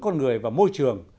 con người và môi trường